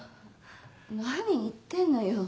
何言ってんのよ